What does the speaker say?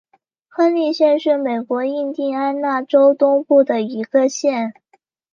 亨利县是美国印地安纳州东部的一个县。